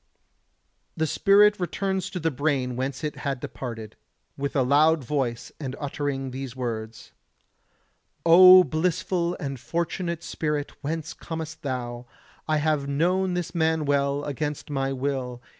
The spirit returns to the brain whence it had departed, with a loud voice and uttering these words: O blissful and fortunate spirit, whence comest thou? I have known this man well, against my will.